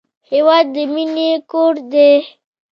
هېواد د مینې کور دی.